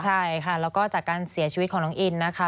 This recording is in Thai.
ใช่ค่ะแล้วก็จากการเสียชีวิตของน้องอินนะคะ